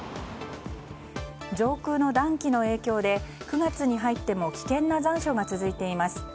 上空の暖気の影響で９月に入っても危険な残暑が続いています。